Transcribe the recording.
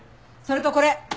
それとこれ。